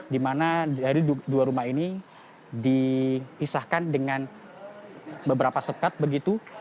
di mana dari dua rumah ini dipisahkan dengan beberapa sekat begitu